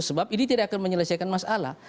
sebab ini tidak akan menyelesaikan masalah